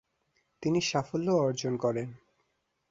তিনি সাফল্যও অর্জন করেন।